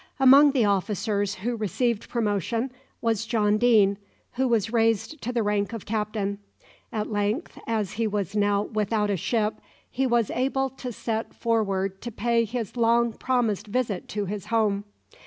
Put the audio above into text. Among the officers who received promotion was John Deane, who was raised to the rank of captain. At length, as he was now without a ship, he was able to set forward to pay his long promised visit to his home.